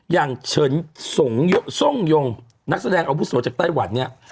อย่างเฉินส่งยงนักแสดงอบุษโตจากไต้หวันเนี่ย